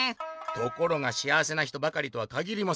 「ところがしあわせな人ばかりとはかぎりません。